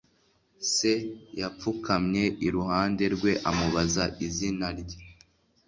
S Yapfukamye iruhande rwe amubaza izina rye